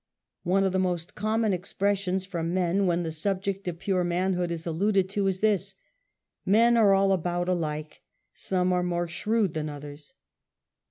One of the most common ex pressions from men when the subject ot pure man hood is alluded to, is this : "Men are all about alike, some are more shrewd than others."